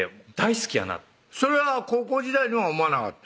それは高校時代には思わなかった？